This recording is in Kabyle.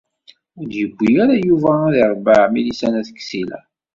Ur d-yewwi ara Yuba ad irebbeɛ Milisa n At Ksila.